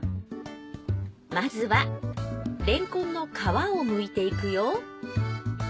まずはれんこんの皮をむいていくよ。